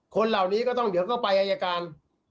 คนเหล่านี้ก็ต้องเดี๋ยวก็ไปอายการ